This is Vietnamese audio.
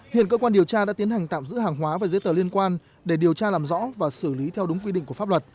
hiện cơ quan điều tra đã tiến hành tạm giữ hàng hóa và giấy tờ liên quan để điều tra làm rõ và xử lý theo đúng quy định của pháp luật